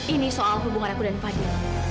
ini soal hubungan aku dan fadil